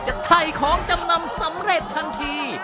ไถ่ของจำนำสำเร็จทันที